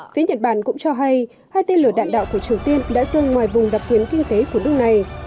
phía nhật bản cũng cho hay hai tên lửa đạn đạo của triều tiên đã rơi ngoài vùng đặc quyền kinh tế của nước này